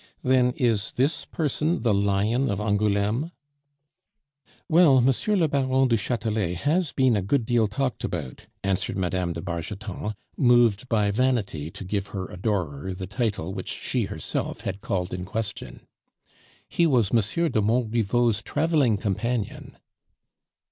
Then is this person the lion of Angouleme?" "Well, M. le Baron du Chatelet has been a good deal talked about," answered Mme. de Bargeton, moved by vanity to give her adorer the title which she herself had called in question. "He was M. de Montriveau's traveling companion."